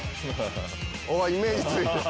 おおイメージついてる。